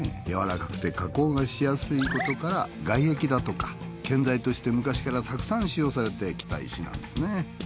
柔らかくて加工がしやすいことから外壁だとか建材として昔からたくさん使用されてきた石なんですね。